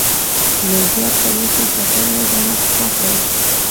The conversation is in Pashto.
نو زیات څه نه شې زده کولای دا حقیقت دی.